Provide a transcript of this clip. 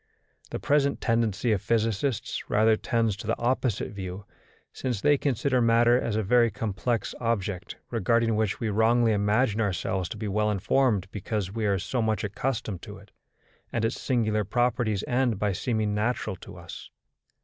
The present tendency of physicists rather tends to the opposite view; since they consider matter as a very complex object, regarding which we wrongly imagine ourselves to be well informed because we are so much accustomed to it, and its singular properties end by seeming natural to us.